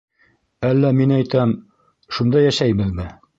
Әллә мин әйтәм, шунда йәшәйбеҙме?